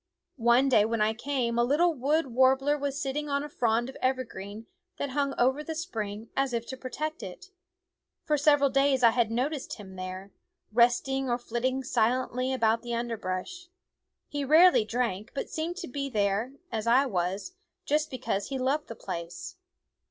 One day when I came a little wood war bler was sitting on a frond of evergreen that hung over the spring as if to protect it. For several days I had noticed him there, resting or flitting silently about the underbrush. He rarely drank, but seemed to be there, as I was, just because he loved the place.